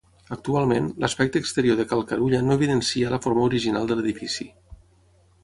Actualment, l'aspecte exterior de Cal Carulla no evidencia la forma original de l'edifici.